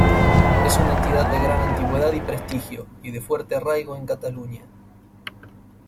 Es una entidad de gran antigüedad y prestigio, y de fuerte arraigo en Cataluña.